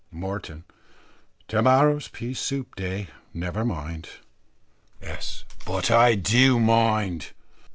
Moreton. "To morrow's pea soup day, never mind." S. "But I do mind."